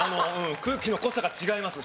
空気の濃さが違います